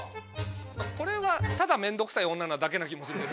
これはただ面倒くさい女なだけな気もするけどな。